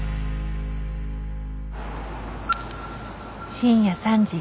深夜３時。